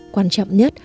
quan trọng nhất